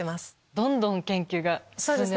どんどん研究が進んでますね。